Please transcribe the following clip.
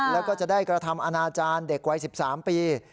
แล้วก็จะได้กระทำอนาจารย์เด็กวัย๑๓ปี